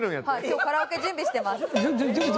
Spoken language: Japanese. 今日カラオケ準備してます。